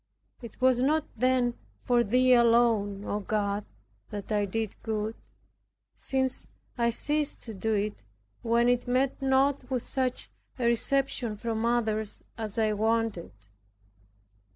It was not then for Thee alone, O God, that I did good; since I ceased to do it, when it met not with such a reception from others as I wanted.